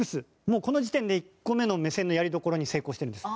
もうこの時点で１個目の目線のやりどころに成功してるんです。